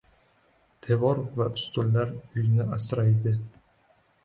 • Devor va ustunlar uyni asraydi.